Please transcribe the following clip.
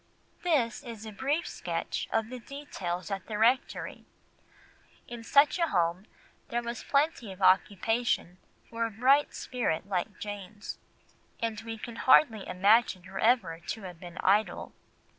This is a brief sketch of the details at the rectory. In such a home there was plenty of occupation for a bright spirit like Jane's, and we can hardly imagine her ever to have been idle.